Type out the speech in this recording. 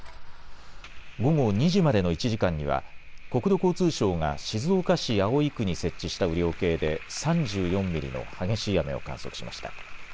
午後２時までの１時間には国土交通省が静岡市葵区に設置した雨量計で３４ミリの激しい雨を観測しました。